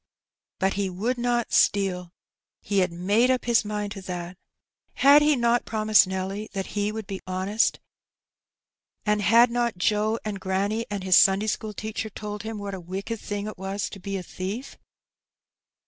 But he would not steal, he had nf&,de up his mind to that. Had he not promised Nelly that he would be honest? And had not Adrift. 205 Joe and granny and his Sunday school teacher told him what a wicked thing it was to be a thief?